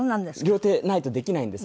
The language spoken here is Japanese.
両手ないとできないんですね。